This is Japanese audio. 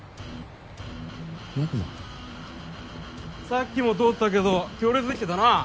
さっきも通ったけど行列出来てたなぁ。